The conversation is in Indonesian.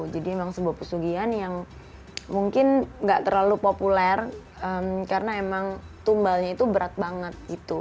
jadi emang sebuah pesugihan yang mungkin gak terlalu populer karena emang tumbalnya itu berat banget gitu